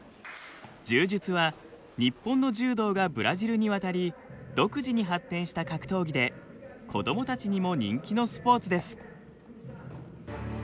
柔術は日本の柔道がブラジルに渡り独自に発展した格闘技で子どもたちにも人気のスポーツです。